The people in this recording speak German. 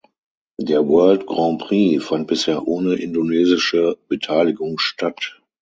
Der World Grand Prix fand bisher ohne indonesische Beteiligung statt.